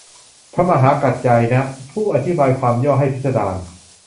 พระมหากัจจายนะ ผู้อธิบายความย่อให้พิสดาร